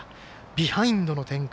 ビハインドの展開。